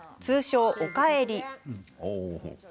通称・おかえり。